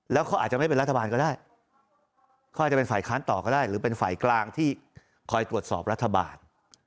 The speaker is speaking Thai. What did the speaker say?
แล้วเขาอาจจะไม่เป็นรัฐบาลก็ได้เขาอาจจะเป็นฝ่ายค้านต่อก็ได้หรือเป็นฝ่ายกลางที่คอยตรวจสอบรัฐบาล